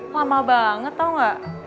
lama banget tau gak